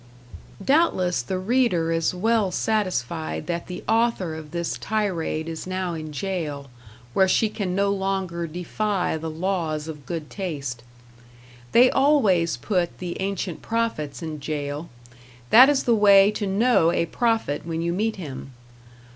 Doubtless the reader is well satisfied that the author of this tirade is now in jail, where she can no longer defy the laws of good taste. They always put the ancient prophets in jail; that is the way to know a prophet when you meet him.